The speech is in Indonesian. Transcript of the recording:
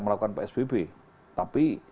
melakukan psbb tapi